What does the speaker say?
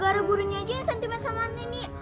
gara gara gurunya aja yang sentimen sama nini